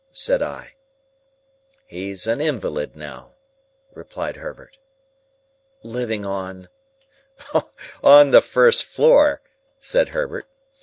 said I. "He's an invalid now," replied Herbert. "Living on—?" "On the first floor," said Herbert.